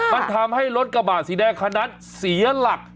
มันทำให้รถกระบะสีแดงคันนั้นเสียหลัก